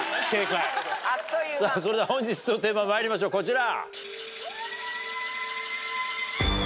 それでは本日のテーマまいりましょうこちら。